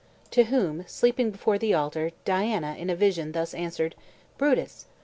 To whom, sleeping before the altar, Diana in a vision thus answered: "Brutus!